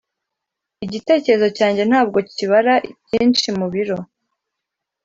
igitekerezo cyanjye ntabwo kibara byinshi mubiro.